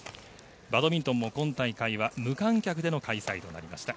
バドミントンも今大会は無観客での開催となりました。